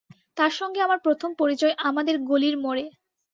তার সঙ্গে আমার প্রথম পরিচয় আমাদের গলির মোড়ে।